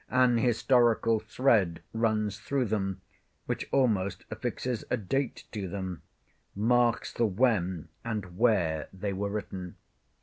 An historical thread runs through them, which almost affixes a date to them; marks the when and where they were written.